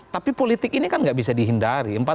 tapi politik ini kan nggak bisa dihindari